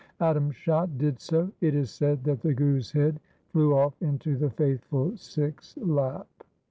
Adam Shah did so. It is said that the Guru's head flew off into the faithful Sikh's lap.